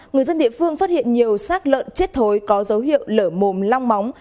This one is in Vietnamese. người dân địa phương phát hiện nhiều sác lợn chết thối có dấu hiệu lở mồm long móng